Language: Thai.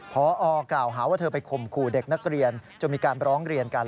พอกล่าวหาว่าเธอไปข่มขู่เด็กนักเรียนจนมีการร้องเรียนกัน